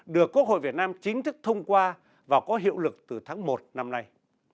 được quốc hội việt nam chính thức thông qua và có hiệu lực từ tháng một năm nay